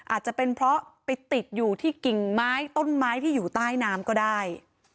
อาจจะเป็นเพราะไปติดอยู่ที่กิ่งไม้ต้นไม้ที่อยู่ใต้น้ำก็ได้